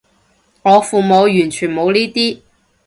我父母完全冇呢啲